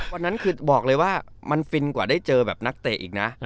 วันนั้นคือบอกเลยว่ามันฟินกว่าได้เจอแบบนักเตะอีกนะ